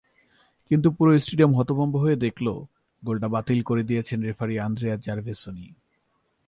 কিন্তু পুরো স্টেডিয়াম হতভম্ব হয়ে দেখল গোলটা বাতিল করে দিয়েছেন রেফারি আন্দ্রেয়া জারভেসোনি।